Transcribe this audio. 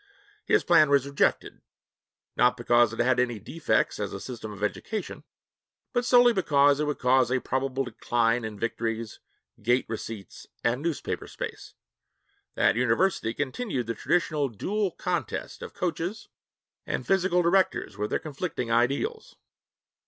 His plan was rejected, not because it had any defects as a system of education, but solely because it would cause a probable decline in victories, gate receipts, and newspaper space. That university continued the traditional dual contest of coaches and physical directors with their conflicting ideals.